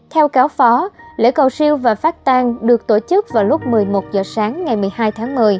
theo cáo phó lễ cầu siêu và phát tan được tổ chức vào lúc một mươi một h sáng ngày một mươi hai tháng một mươi